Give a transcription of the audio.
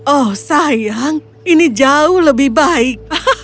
oh sayang ini jauh lebih baik